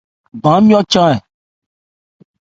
Ban ńmyɔ́ chan ɛ ?